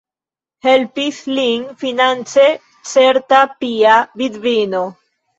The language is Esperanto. Helpis lin finance certa pia vidvino.